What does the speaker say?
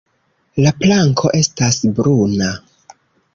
La planko estas bruna.